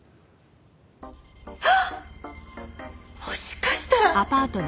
もしかしたら。